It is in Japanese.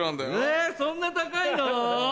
えそんな高いの？